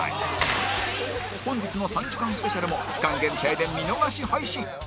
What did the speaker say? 本日の３時間スペシャルも期間限定で見逃し配信